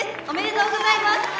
おめでとうございます。